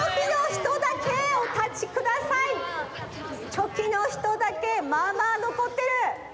チョキのひとだけまあまあのこってる。